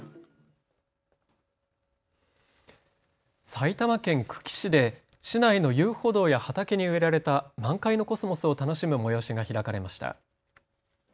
埼玉県久喜市で市内の遊歩道や畑に植えられた満開のコスモスを楽しむ催しが開かれました。